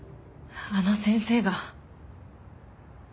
あの先生が。